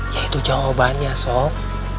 ya itu jawabannya sob